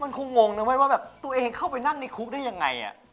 มันคงงนะว่าแบบตัวเองเข้าไปนั่งในคุกได้ยังไง